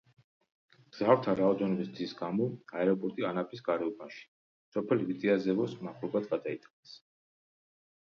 მგზავრთა რაოდენობის ზრდის გამო აეროპორტი ანაპის გარეუბანში, სოფელ ვიტიაზევოს მახლობლად გადაიტანეს.